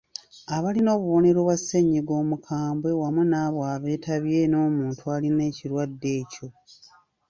Abalina obubonero bwa ssennyiga omukambwe wamu n’abo abeetabye n’omuntu alina ekirwadde ekyo.